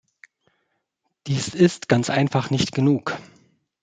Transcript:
Dies ist ganz einfach nicht genug.